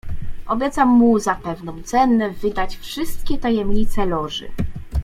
"Obiecam mu za pewną cenę wydać wszystkie tajemnice Loży."